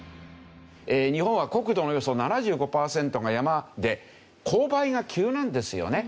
日本は国土のおよそ７５パーセントが山で勾配が急なんですよね。